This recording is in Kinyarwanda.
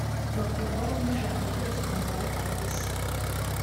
bakorwaho ni ijambo ryose umugabo avuze